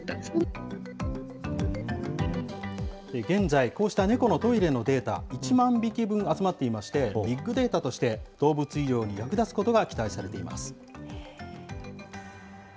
現在、こうした猫のトイレのデータ、１万匹分集まっていまして、ビッグデータとして動物医療に役立つことが期待されています。